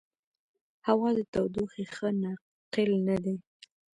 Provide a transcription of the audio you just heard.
هوا د تودوخې ښه ناقل نه دی.